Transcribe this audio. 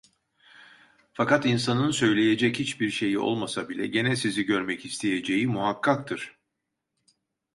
Fakat insanın söyleyecek hiçbir şeyi olmasa bile gene sizi görmek isteyeceği muhakkaktır.